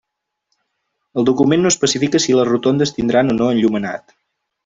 El document no especifica si les rotondes tindran o no enllumenat.